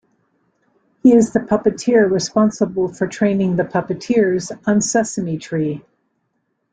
He is the puppeteer responsible for training the puppeteers on "Sesame Tree".